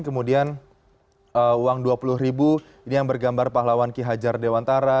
kemudian uang dua puluh ribu ini yang bergambar pahlawan ki hajar dewantara